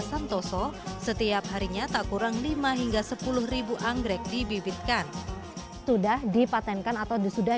santoso setiap harinya tak kurang lima hingga sepuluh anggrek dibibitkan sudah dipatenkan atau sudah